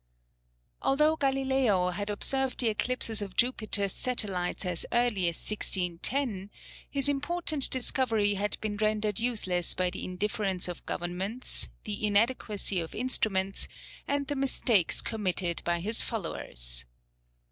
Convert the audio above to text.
Although Galileo had observed the eclipses of Jupiter's satellites as early as 1610, his important discovery had been rendered useless by the indifference of Governments, the inadequacy of instruments, and the mistakes committed by his followers.